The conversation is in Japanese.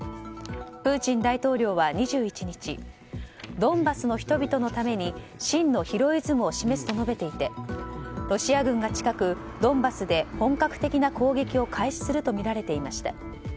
プーチン大統領は２１日ドンバスの人々のために真のヒロイズムを示すと述べていてロシア軍が近くドンバスで本格的な攻撃を開始するとみられていました。